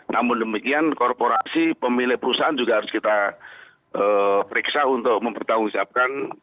namun demikian korporasi pemilih perusahaan juga harus kita periksa untuk mempertanggung siapkan